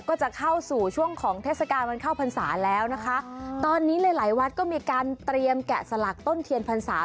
ก็จะเข้าสู่ช่วงของเทศกาลวันเข้าพรรษาแล้วนะคะตอนนี้หลายหลายวัดก็มีการเตรียมแกะสลักต้นเทียนพรรษา